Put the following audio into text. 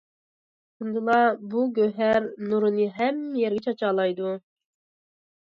شۇندىلا بۇ‹‹ گۆھەر›› نۇرىنى ھەممە يەرگە چاچالايدۇ.